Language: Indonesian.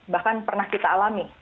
bahkan pernah kita alami